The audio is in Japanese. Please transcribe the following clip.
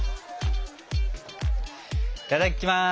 いただきます。